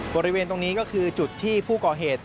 บริเวณตรงนี้ก็คือจุดที่ผู้ก่อเหตุ